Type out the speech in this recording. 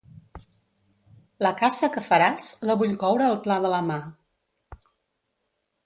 La caça que faràs, la vull coure al pla de la mà.